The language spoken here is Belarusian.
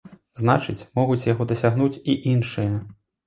Значыць, могуць яго дасягнуць і іншыя.